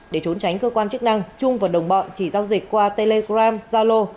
để trốn tránh cơ quan chức năng trung và đồng bọn chỉ giao dịch qua telegram zalo